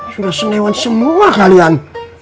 sudah senewan semua kalian